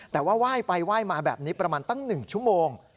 แต่ว่าไหว้ไปไหว้มาแบบนี้ประมาณตั้ง๑ชั่วโมง